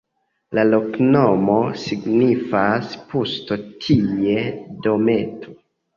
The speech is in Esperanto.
La loknomo signifas: pusto-tie-dometo.